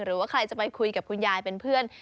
หรือว่าใครจะไปคุยกับคุณยายเป็นเพื่อน